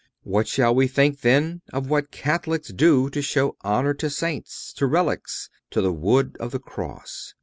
What shall we think, then, of what Catholics do to show honor to Saints, to relics, to the wood of the cross?